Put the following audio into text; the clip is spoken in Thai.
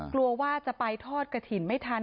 กลัวว่าจะไปทอดกระถิ่นไม่ทัน